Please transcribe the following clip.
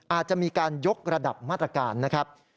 อาจจะมีการยกระดับมาตรการนะครับ